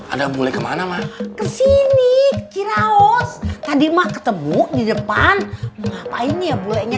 ada boleh kemana mah kesini ciraos tadi mah ketemu di depan ngapain ya bolehnya